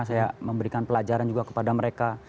saya memberikan pelajaran juga kepada mereka